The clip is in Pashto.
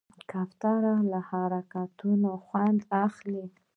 کوتره له حرکته خوند اخلي.